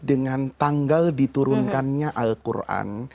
dengan tanggal diturunkannya al quran